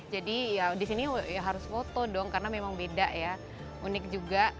jadi ya di sini harus foto dong karena memang beda ya unik juga